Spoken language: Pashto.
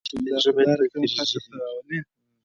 ډاکټره ماسي وویل چې تجربه باید تدریجي وي.